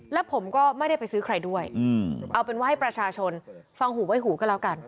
แล้วผมก็ไม่ได้ไปซื้อใครด้วยเอาเป็นว่าให้ประชาชนฟังหูไว้หูก็แล้วกัน